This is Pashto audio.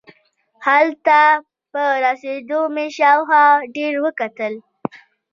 هلته په رسېدو مې شاوخوا ډېر وکتل.